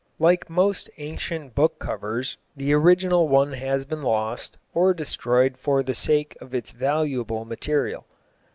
Like most ancient book covers the original one has been lost, or destroyed for the sake of its valuable material.